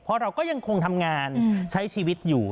เพราะเราก็ยังคงทำงานใช้ชีวิตอยู่